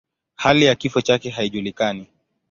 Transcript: Hali ya kifo chake haijulikani.